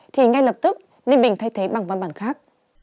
thì ngay lập tức ninh bình thay thế bằng văn bản khác